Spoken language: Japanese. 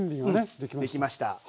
できました。